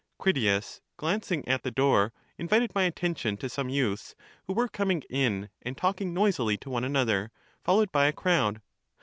Critias, glancing at the door, invited my attention to some youths who were coming in, and talking noisily to one another, followed by a crowd.